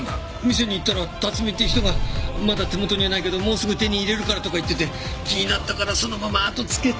店に行ったら辰巳って人がまだ手元にはないけどもうすぐ手に入れるからとか言ってて気になったからそのままあとをつけて。